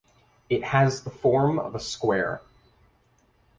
It has a form of a square.